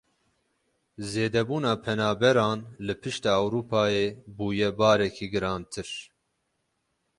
Zêdebûna penaberan li pişta Ewropayê bûye barekî girantir.